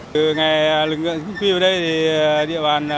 từ ngày lực lượng khuyên vào đây thì địa bàn